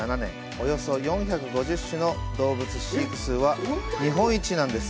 およそ４５０種の動物飼育数は日本一なんです。